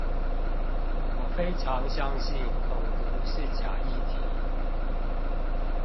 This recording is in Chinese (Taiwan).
我非常相信統獨是假議題